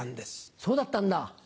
そうだったんだ。